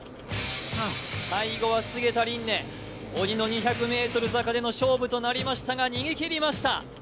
最後は菅田琳寧鬼の２００ｍ坂での勝負となりましたが逃げきりました。